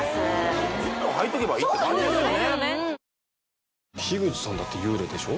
ずっとはいとけばいいって感じですよね